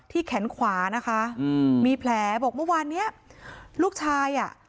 แขนขวานะคะอืมมีแผลบอกเมื่อวานเนี้ยลูกชายอ่ะ